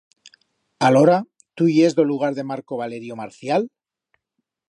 Alora, tu yes d'o lugar de Marco Valerio Marcial?